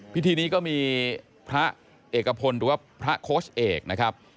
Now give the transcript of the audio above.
พิธีนี้ก็มีพระเอกพลหรือว่าพระโค้ชเอกนะครับ